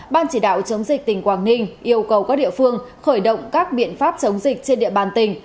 ban chỉ đạo chống dịch tỉnh quảng ninh yêu cầu các địa phương khởi động các biện pháp chống dịch trên địa bàn tỉnh